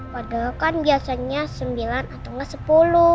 padahal kan biasanya sembilan atau nggak sepuluh